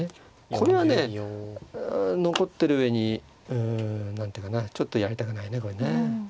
これはね残ってる上にうん何ていうかなちょっとやりたくないねこれね。